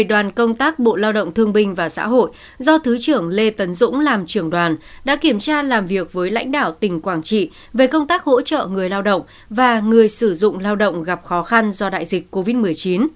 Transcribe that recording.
đoàn công tác bộ lao động thương binh và xã hội do thứ trưởng lê tấn dũng làm trưởng đoàn đã kiểm tra làm việc với lãnh đạo tỉnh quảng trị về công tác hỗ trợ người lao động và người sử dụng lao động gặp khó khăn do đại dịch covid một mươi chín